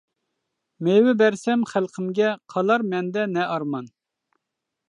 مېۋە بەرسەم خەلقىمگە، قالار مەندە نە ئارمان؟ !